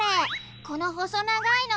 この細長いの何？